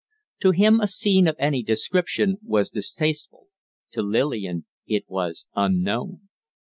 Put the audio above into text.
To him a scene of any description was distasteful; to Lillian it was unknown.